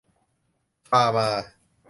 ฟาร์มา